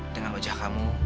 dengan wajah kamu